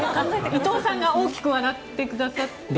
伊藤さんが大きく笑ってくださってます。